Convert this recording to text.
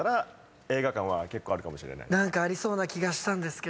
何かありそうな気がしたんですけどね。